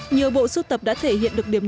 nhiều bộ sưu tập đã thể hiện được điểm